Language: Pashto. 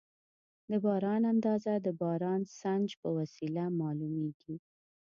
د باران اندازه د بارانسنج په وسیله معلومېږي.